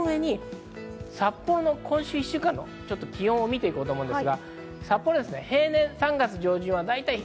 この上に札幌の今週１週間の気温を見て行こうと思います。